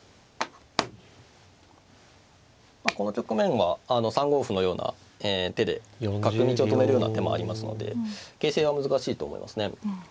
この局面は３五歩のような手で角道を止めるような手もありますので形勢は難しいと思いますね。